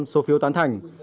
số phiêu tán thành